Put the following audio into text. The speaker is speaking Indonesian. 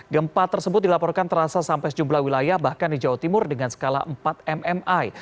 gempa tersebut dilaporkan terasa sampai sejumlah wilayah bahkan di jawa timur dengan skala empat mmi